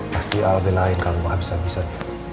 pasti al belain kamu abis abisan